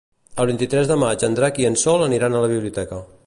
El vint-i-tres de maig en Drac i en Sol aniran a la biblioteca.